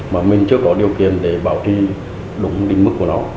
mà mình chưa có điều kiện để bảo trì đúng đỉnh mức của nó